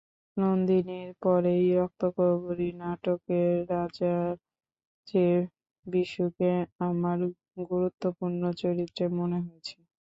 নন্দিনীর পরেই রক্তকরবী নাটকে রাজার চেয়ে বিশুকে আমার গুরুত্বপূর্ণ চরিত্র মনে হয়েছে।